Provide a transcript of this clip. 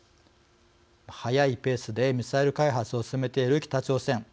早いペースでミサイル開発を進めている北朝鮮。